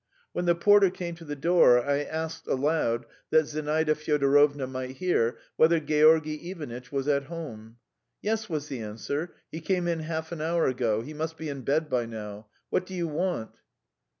When the porter came to the door, I asked aloud, that Zinaida Fyodorovna might hear, whether Georgy Ivanitch was at home. "Yes," was the answer, "he came in half an hour ago. He must be in bed by now. What do you want?"